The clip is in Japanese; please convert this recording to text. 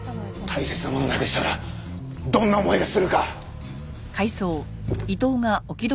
大切なものをなくしたらどんな思いがするか！